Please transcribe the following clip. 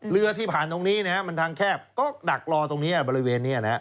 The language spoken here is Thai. เรือที่ผ่านตรงนี้นะฮะมันทางแคบก็ดักรอตรงนี้บริเวณนี้นะฮะ